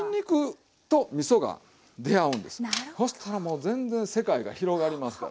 そしたらもう全然世界が広がりますから。